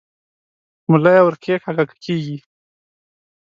ملا یې ور کښېکاږه که کېږي؟